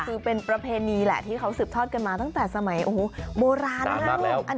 คือเป็นประเพณีแหละที่เขาสืบทอดกันมาตั้งแต่สมัยโอ้โหโบราณมากเลย